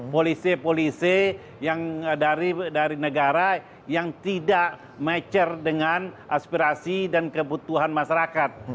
polisi polisi yang dari negara yang tidak mature dengan aspirasi dan kebutuhan masyarakat